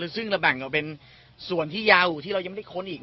ซึ่งเราแบ่งออกเป็นส่วนที่ยาวที่เรายังไม่ได้ค้นอีก